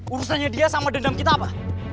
urusannya dia sama dendam kita apa